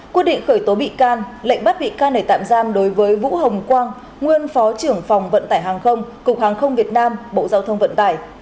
quyết định khởi tố bị can lệnh bắt bị can để tạm giam đối với vũ hồng quang nguyên phó trưởng phòng vận tải hàng không cục hàng không việt nam bộ giao thông vận tải